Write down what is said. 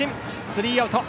スリーアウト。